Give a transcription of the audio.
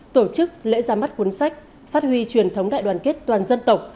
tổ chức lễ ra mắt cuốn sách phát huy truyền thống đại đoàn kết toàn dân tộc